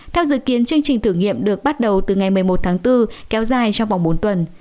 theo dự kiến chương trình thử nghiệm được bắt đầu từ ngày một mươi một tháng bốn kéo dài trong vòng bốn tuần